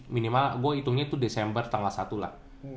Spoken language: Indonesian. minimal gue hitungnya itu desember tanggal satu lah